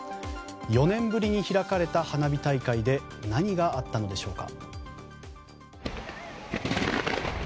４年ぶりに開かれた花火大会で何があったのでしょうか。